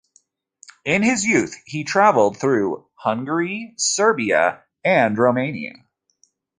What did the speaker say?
In his youth he traveled through Hungary, Serbia, and Romania.